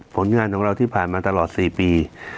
ผลงานของเราที่ผ่านมาตลอด๔ปี